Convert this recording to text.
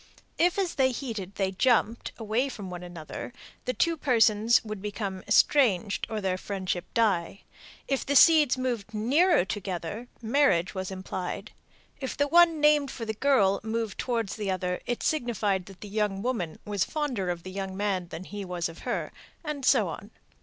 If as they heated they jumped away from one another, the two persons would become estranged or their friendship die; if the seeds moved nearer together, marriage was implied; if the one named for the girl moved towards the other, it signified that the young woman was fonder of the young man than he was of her, and so on.